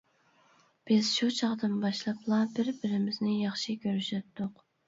بىز شۇ چاغدىن باشلاپلا بىر-بىرىمىزنى ياخشى كۆرۈشەتتۇق.